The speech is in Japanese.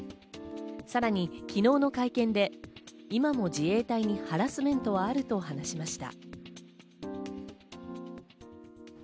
さらに昨日の会見で、今も自衛隊にハラスメントはあると話しました。